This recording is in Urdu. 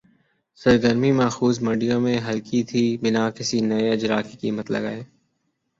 سرگرمی ماخوذ منڈیوں میں ہلکی تھِی بِنا کسی نئے اجراء کی قیمت لگائے